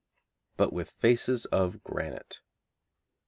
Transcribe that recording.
but with faces of granite.